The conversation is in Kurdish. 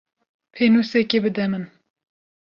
Pênûsekê bide min.